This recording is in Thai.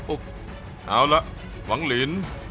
โอ๊ะเอาล่ะวังลิ้น